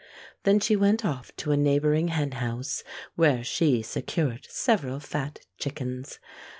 Then she went off to a neighboring hen house where she secured several fat chickens.